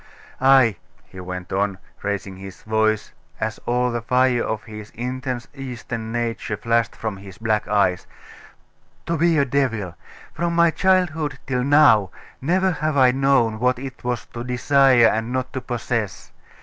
Ay,' he went on, raising his voice, as all the fire of his intense Eastern nature flashed from his black eyes, 'to be a devil! From my childhood till now never have I known what it was to desire and not to possess.